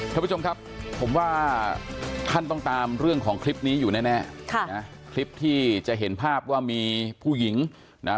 ท่านผู้ชมครับผมว่าท่านต้องตามเรื่องของคลิปนี้อยู่แน่แน่ค่ะนะคลิปที่จะเห็นภาพว่ามีผู้หญิงนะ